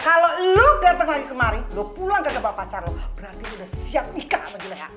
kalau lo dateng lagi kemari lo pulang ke jembat pacar lo berarti lo udah siap nikah sama juleha